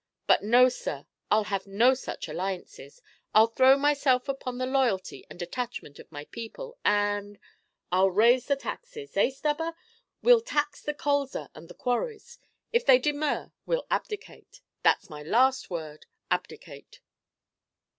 But no, sir, I 'll have no such alliances; I 'll throw myself upon the loyalty and attachment of my people, and I'll raise the taxes. Eh, Stubber? We'll tax the 'colza' and the quarries! If they demur, we 'll abdicate; that's my last word, abdicate."